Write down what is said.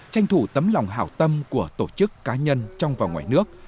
tranh thủ tấm lòng hảo tâm của tổ chức cá nhân trong và ngoài nước